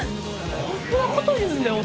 こんなこと言うんだよ